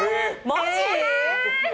マジ？